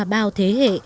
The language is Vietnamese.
bao thế hệ